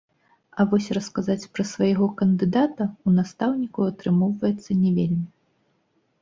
А вось расказваць пра свайго кандыдата ў настаўнікаў атрымоўваецца не вельмі.